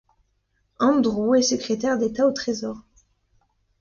Andrew est secrétaire d'État au trésor.